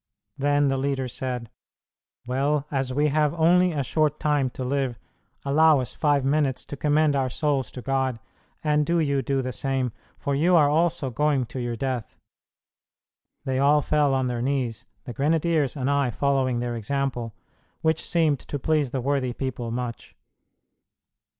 Then the leader said, "Well, as we have only a short time to live, allow us five minutes to commend our souls to God, and do you do the same, for you also are going to your death." They all fell on their knees, the grenadiers and I following their example, which seemed to please the worthy people much.